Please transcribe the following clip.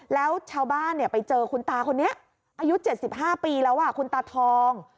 แล้วชาวบ้านไปเจอคุณตาคนนี้อายุ๗๕ปีแล้วคุณตาทอง